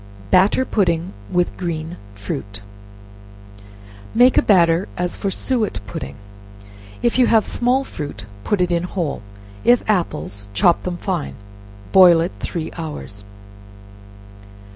Batter Pudding with Green Fruit. Make a batter as for suet pudding. If you have small fruit, put it in whole; if apples, chop them fine; boil it three hours.